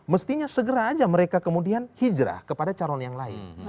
mestinya segera aja mereka kemudian hijrah kepada calon yang lain